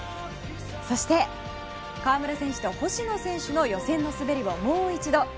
そして、川村選手と星野選手の予選の滑りをもう一度。